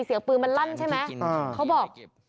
เสียงปืนมันลั่นใช่ไหมเขาบอก